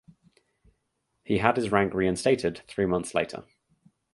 He had his rank reinstated three months later.